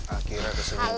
akhirnya ketemu lo ali